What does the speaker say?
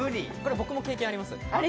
僕は経験あります。